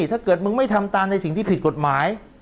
ถ้าเกิดมึงไม่ทำตามในสิ่งที่ผิดกฎหมาย